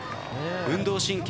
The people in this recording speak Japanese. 運動神経